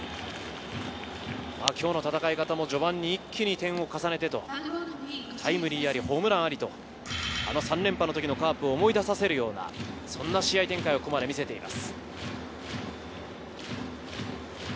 今日の戦い方も序盤に一気に点を重ねてタイムリーあり、ホームランあり、あの３連覇の時のカープを思い出させるような試合展開をここまで見せています。